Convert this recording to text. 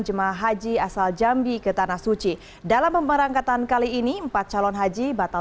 jemaah haji asal jambi ke tanah suci dalam pemberangkatan kali ini empat calon haji batal